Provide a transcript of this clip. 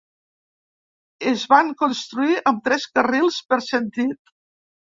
Es van construir amb tres carrils per sentit.